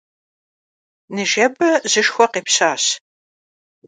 Ныжэбэ жьышхуэ къепщащ.